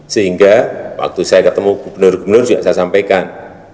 sehingga waktu saya ketemu gubernur gubernur juga saya sampaikan